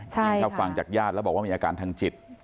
ถ้าฟังจากญาติแล้วบอกว่ามีอาการทางจิต